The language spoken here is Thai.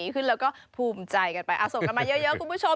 ขึ้นแล้วก็ภูมิใจกันไปส่งกันมาเยอะคุณผู้ชม